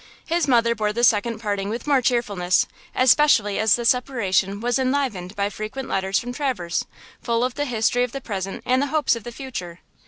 His mother bore this second parting with more cheerfulness, especially as the separation was enlivened by frequent letters from Traverse, full of the history of the present and the hopes of the future.